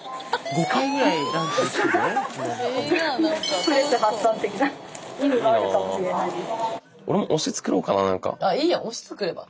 ストレス発散的な意味もあるかもしれないです。